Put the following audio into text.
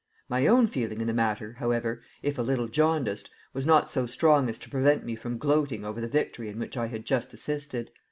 My own feeling in the matter, however, if a little jaundiced, was not so strong as to prevent me from gloating over the victory in which I had just assisted.